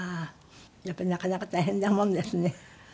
やっぱりなかなか大変なもんですね。